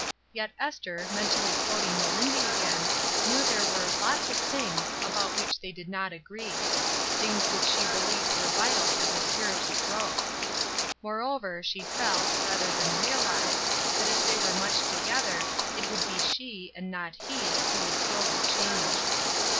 Yet Esther, mentally quoting Melindy again, knew there were "lots of things" about which they did not agree — things which she beheved were vital to her spiritual growth. Moreover, she felt, rather than realized, that if they were much together, it would be she, and not he, who would slowly change.